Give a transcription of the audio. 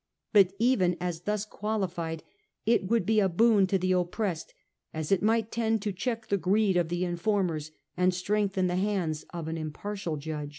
But even as thus qualified, it would be a boon to the oppressed, as it might tend to check the greed of the informers, and strengthen the hands of an impartial judge.